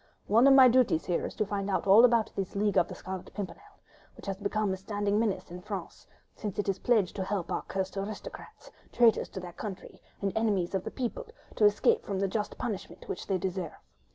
One of my duties here is to find out all about this League of the Scarlet Pimpernel, which has become a standing menace to France, since it is pledged to help our cursed aristocrats—traitors to their country, and enemies of the people—to escape from the just punishment which they deserve.